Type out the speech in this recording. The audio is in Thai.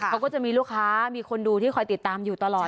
เขาก็จะมีลูกค้ามีคนดูที่คอยติดตามอยู่ตลอด